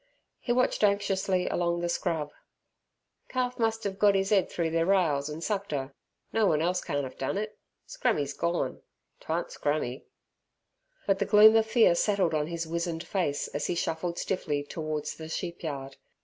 He watched anxiously along the scrub. "Calf must 'ave got 'is 'ed through ther rails an' sucked 'er. No one else can't 'ave done it. Scrammy's gorn; 'twarn't Scrammy." But the gloom of fear settled on his wizened face as he shuffled stiffly towards the sheepyard.